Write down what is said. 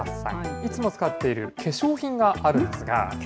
いつも使っている化粧品があるんですが。